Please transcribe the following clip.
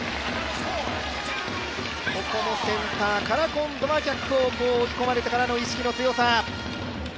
ここのセンターから今度は逆方向、追い込まれてからの意識の強さ。